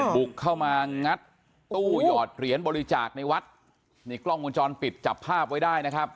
บุกเข้ามางัดตู้หยอดเหรียญบริจาคในวัดนี่กล้องวงจรปิดจับภาพไว้ได้นะครับ